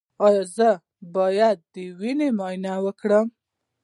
ایا زه باید د وینې معاینه وکړم؟